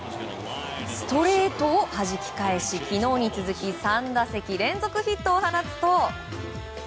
ストレートをはじき返し昨日に続き３打席連続ヒットを放つと。